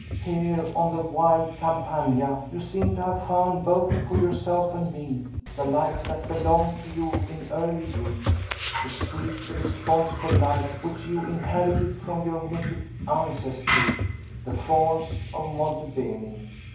Here, on the wild Campagna, you seem to have found, both for yourself and me, the life that belonged to you in early youth; the sweet irresponsible life which you inherited from your mythic ancestry, the Fauns of Monte Beni.